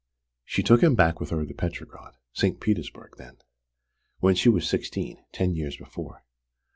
She took him back with her to Petrograd (St. Petersburg then) when she was sixteen, ten years before.